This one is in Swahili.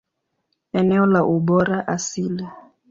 Eneo la ubora asili.